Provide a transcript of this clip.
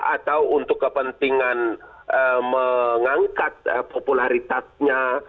atau untuk kepentingan mengangkat popularitasnya